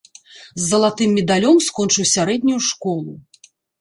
З залатым медалём скончыў сярэднюю школу.